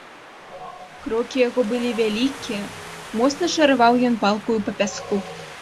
Крокі яго былі вялікія, моцна шараваў ён палкаю па пяску.